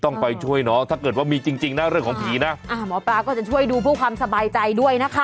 ไปช่วยน้องถ้าเกิดว่ามีจริงจริงนะเรื่องของผีนะอ่าหมอปลาก็จะช่วยดูเพื่อความสบายใจด้วยนะคะ